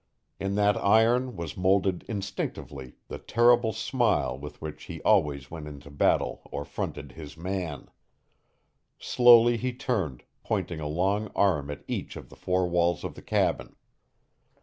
In that iron was molded indistinctly the terrible smile with which he always went into battle or fronted "his man." Slowly he turned, pointing a long arm at each of the four walls of the cabin.